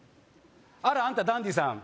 「あらあんたダンディさん」